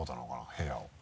部屋を。